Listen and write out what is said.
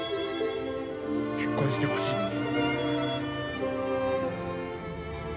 結婚してほしい。